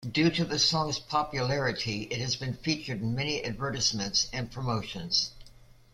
Due to the song's popularity, it has been featured in many advertisements and promotions.